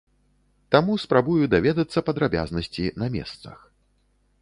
Таму спрабую даведацца падрабязнасці на месцах.